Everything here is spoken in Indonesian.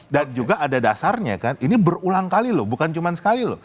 juga ada dasarnya kan ini berulang kali loh bukan cuma sekali loh